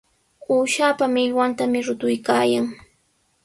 Uushapa millwantami rutuykaayan.